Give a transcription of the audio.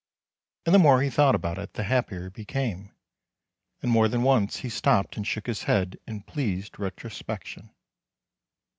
And the more he thought about it the happier he became, and more than once he stopped and shook his head in pleased retrospection.